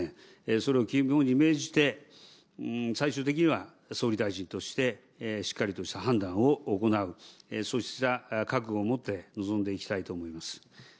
それを肝に銘じて、最終的には、総理大臣としてしっかりとした判断を行う、そうした覚悟を持って臨んでいきたいと思います。